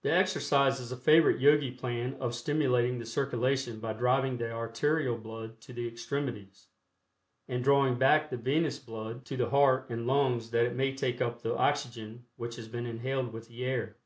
The exercise is a favorite Yogi plan of stimulating the circulation by driving the arterial blood to the extremities, and drawing back the venous blood to the heart and lungs that it may take up the oxygen which has been inhaled with the air.